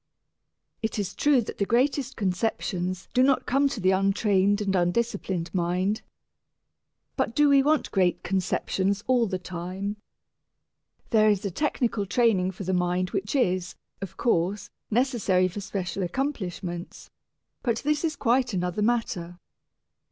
It is true that the greatest conceptions do not come to the untrained and undisciplined mind. But do we want great conceptions all the time? There is a technical training for the mind which is, of course, necessary for special accomplishments, but this is quite another matter.